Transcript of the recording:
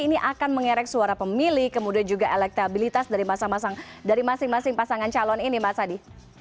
ini akan mengerek suara pemilih kemudian juga elektabilitas dari masing masing pasangan calon ini mas adi